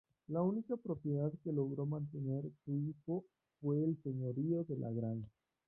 La única propiedad que logró mantener su hijo fue el señorío de La Granja.